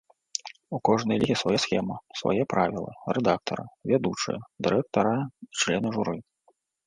У кожнай лігі свая схема, сваі правілы, рэдактары, вядучыя, дырэктара і члены журы.